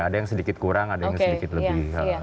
ada yang sedikit kurang ada yang sedikit lebih